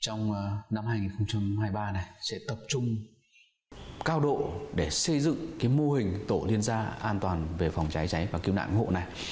trong năm hai nghìn hai mươi ba này sẽ tập trung cao độ để xây dựng mô hình tổ liên gia an toàn về phòng cháy cháy và cứu nạn hộ này